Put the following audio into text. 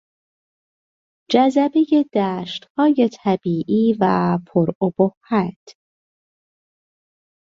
جذبهی دشتهای طبیعی و پر ابهت